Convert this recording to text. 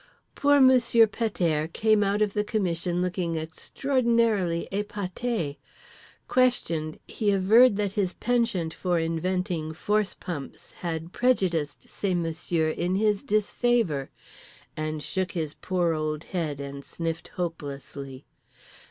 Poor Monsieur Pet airs came out of the commission looking extraordinarily épaté. Questioned, he averred that his penchant for inventing force pumps had prejudiced ces messieurs in his disfavour; and shook his poor old head and sniffed hopelessly.